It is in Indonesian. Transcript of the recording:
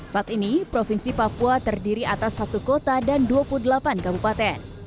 saat ini provinsi papua terdiri atas satu kota dan dua puluh delapan kabupaten